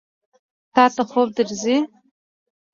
تا ته خوب درځي؟